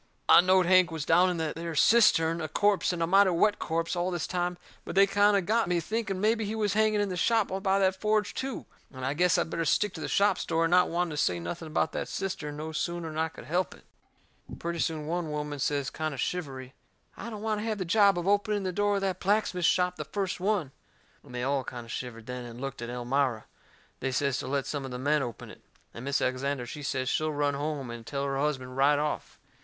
I knowed Hank was down in that there cistern, a corpse and a mighty wet corpse, all this time; but they kind o' got me to thinking mebby he was hanging out in the shop by the forge, too. And I guessed I'd better stick to the shop story, not wanting to say nothing about that cistern no sooner'n I could help it. Pretty soon one woman says, kind o' shivery: "I don't want to have the job of opening the door of that blacksmith shop the first one!" And they all kind o' shivered then, and looked at Elmira. They says to let some of the men open it. And Mis' Alexander, she says she'll run home and tell her husband right off.